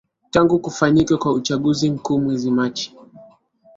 tangu kufanyike kwa uchaguzi mkuu mwezi machi